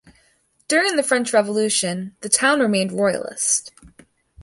During the French Revolution the town remained Royalist.